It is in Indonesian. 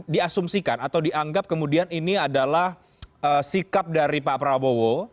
diasumsikan atau dianggap kemudian ini adalah sikap dari pak prabowo